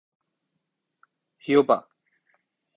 ہیوپا